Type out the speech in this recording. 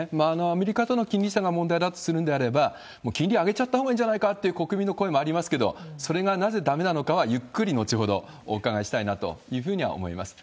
アメリカとの金利差が問題だとするんであれば、金利上げちゃったほうがいいんじゃないかって、国民の声もありますけど、それがなぜだめなのかはゆっくり後ほどお伺いしたいなというふうには思います。